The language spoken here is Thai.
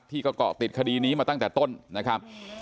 ที่ก็เกาะติดคดีนี้มาตั้งแต่ต้นนะครับ